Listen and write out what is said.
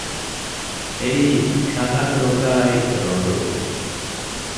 އެއީ ކަނަ ރުކާއި ރޮނޑު ރުއް